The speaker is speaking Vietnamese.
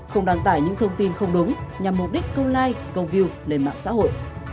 không đăng tải những thông tin không đúng nhằm mục đích câu like câu view lên mạng xã hội